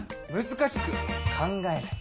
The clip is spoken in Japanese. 難しく考えない。